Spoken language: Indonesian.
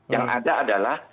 yang ada adalah